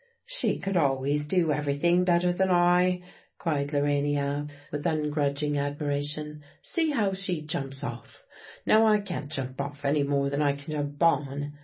"She could always do everything better than I," cried Lorania, with ungrudging admiration. "See how she jumps off! Now I can't jump off any more than I can jump on.